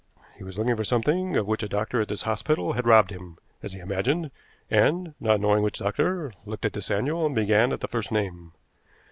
He was looking for something of which a doctor at this hospital had robbed him, as he imagined, and, not knowing which doctor, looked at this annual and began at the first name.